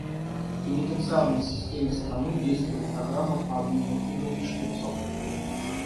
В пенитенциарной системе страны действует программа по обмену игл и шприцов.